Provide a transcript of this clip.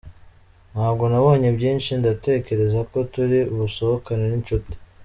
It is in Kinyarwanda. Ntabwo nabonye byinshi, ndatekereza ko turi busohokane n’inshuti.